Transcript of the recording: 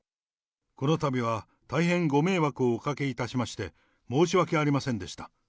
このたびは大変ご迷惑をおかけいたしまして、申し訳ありませんでした。